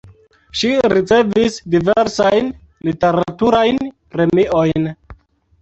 Ŝi ricevis diversajn literaturajn premiojn.